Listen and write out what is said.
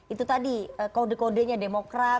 itu tadi kode kodenya demokrat